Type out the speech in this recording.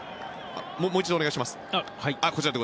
もう一度お願いします。